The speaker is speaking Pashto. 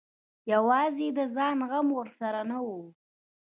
یوازې د ځان غم ورسره نه وي.